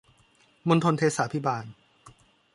มณฑลเทศาภิบาล